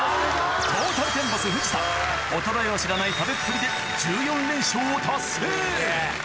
トータルテンボス・藤田衰えを知らない食べっぷりで１４連勝を達成！